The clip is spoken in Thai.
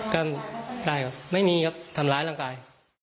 ก็ได้ครับไม่มีครับทำร้ายร่างกาย